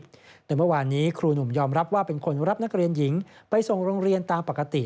โดยเมื่อวานนี้ครูหนุ่มยอมรับว่าเป็นคนรับนักเรียนหญิงไปส่งโรงเรียนตามปกติ